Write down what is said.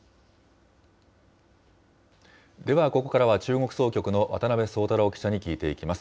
ではここからは中国総局の渡辺壮太郎記者に聞いていきます。